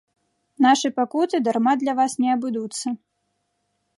Нашы пакуты дарма для вас не абыдуцца.